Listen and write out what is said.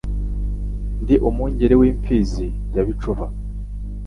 Ndi umwungeri w'imfizi ya Bicuba,